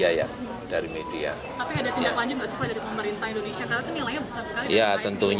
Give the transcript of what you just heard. tapi ada tindak lanjut dari pemerintah indonesia